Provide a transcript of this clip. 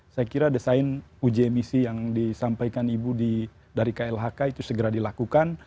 saya kira desain uji emisi yang disampaikan ibu dari klhk itu segera dilakukan